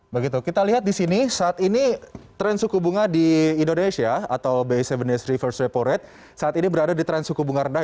begitu kita lihat di sini saat ini tren suku bunga di indonesia atau bi tujuh days reverse repo rate saat ini berada di tren suku bunga rendah